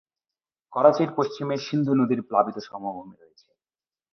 করাচির পশ্চিমে সিন্ধু নদীর প্লাবিত সমভূমি রয়েছে।